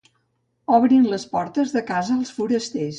Obrin les portes de casa als forasters.